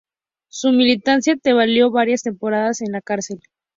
Su militancia le valió varias temporadas en la cárcel.